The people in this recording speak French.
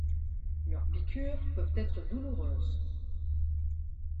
Leurs piqûres peuvent être douloureuses.